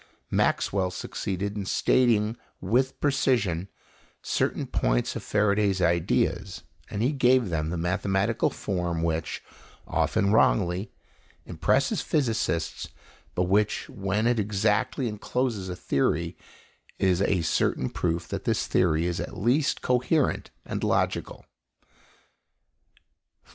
Maxwell succeeded in stating with precision certain points of Faraday's ideas, and he gave them the mathematical form which, often wrongly, impresses physicists, but which when it exactly encloses a theory, is a certain proof that this theory is at least coherent and logical.